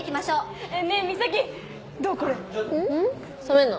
染めんの？